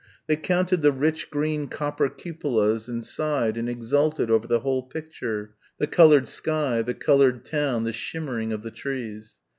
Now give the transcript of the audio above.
They counted the rich green copper cupolas and sighed and exulted over the whole picture, the coloured sky, the coloured town, the shimmering of the trees.